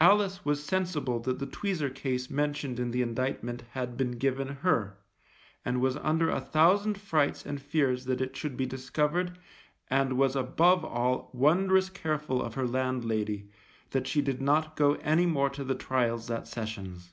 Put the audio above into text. Alice was sensible that the tweezer case mentioned in the indictment had been given her, and was under a thousand frights and fears that it should be discovered and was above all wondrous careful of her landlady, that she did not go any more to the trials that Sessions.